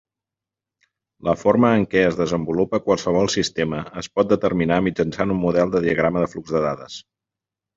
La forma en què es desenvolupa qualsevol sistema es pot determinar mitjançant un model de diagrama de flux de dades.